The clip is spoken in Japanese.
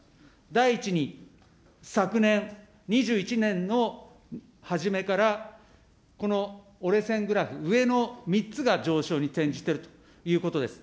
第１に、昨年・２１年のはじめから、この折れ線グラフ、上の３つが上昇に転じているということです。